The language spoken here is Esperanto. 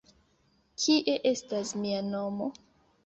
Kie estas mia mono?